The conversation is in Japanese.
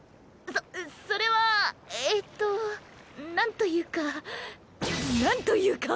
そそれはえっとなんというかなんというか。